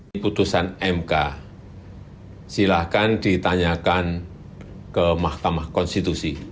keputusan mk silahkan ditanyakan ke mahkamah konstitusi